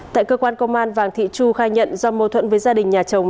tại cơ quan công an vàng thị chu khai nhận do mâu thuẫn với gia đình nhà chồng